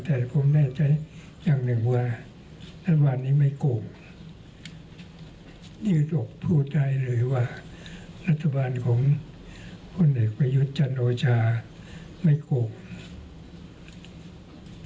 แต่ผมแน่ใจอย่างหนึ่งว่ารัฐบาลนี้ไม่โกงยืดอกพูดได้เลยว่ารัฐบาลของพลเอกประยุทธ์จันโอชาไม่โกง